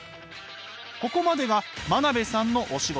ここまでが真鍋さんのお仕事。